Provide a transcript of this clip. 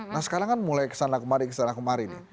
nah sekarang mulai kesana kemari